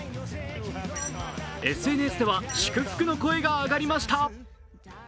ＳＮＳでは祝福の声が上がりました。